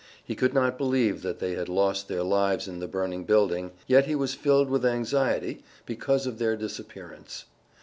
He could not believe they had lost their lives in the burning building, yet he was filled with anxiety because of their disappearance.